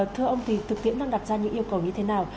thưa ông thì thực tiễn đang đặt ra những yêu cầu như thế nào